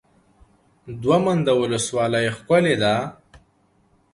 دوه منده ولسوالۍ ښکلې ده؟